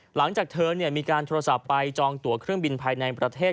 หลังจากเธอมีการโทรศัพท์ไปจองตัวเครื่องบินภายในประเทศ